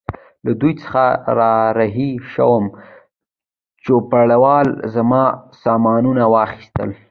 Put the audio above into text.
له دوی څخه را رهي شوم، چوپړوال زما سامانونه واخیستل.